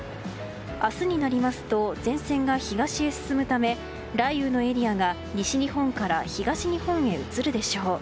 明日になりますと前線が東へ進むため雷雨のエリアが西日本から東日本へ移るでしょう。